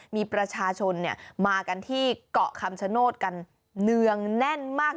มีประชาชนมากันที่เกาะคำชโนธกันเนืองแน่นมาก